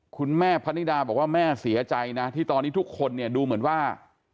คุณแม่พนิดาบอกว่าแม่เสียใจนะที่ตอนนี้ทุกคนเนี่ยดูเหมือนว่า